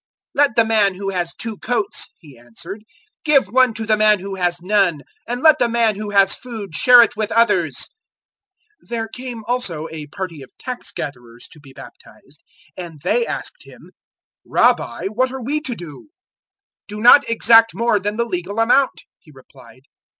003:011 "Let the man who has two coats," he answered, "give one to the man who has none; and let the man who has food share it with others." 003:012 There came also a party of tax gatherers to be baptized, and they asked him, "Rabbi, what are we to do?" 003:013 "Do not exact more than the legal amount," he replied.